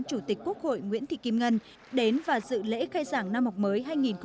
chủ tịch quốc hội nguyễn thị kim ngân đến và dự lễ khai giảng năm học mới hai nghìn một mươi sáu hai nghìn một mươi bảy